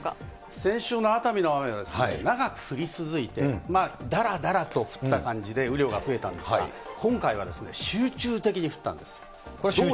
先週の熱海の雨は、長く降り続いて、だらだらと降った感じで雨量が増えたんですが、今回は集中的に降ったんです。